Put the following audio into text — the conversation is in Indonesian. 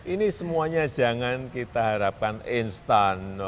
ini semuanya jangan kita harapkan instan